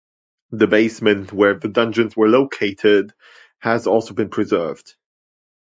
The basement where the dungeons were located has also been preserved.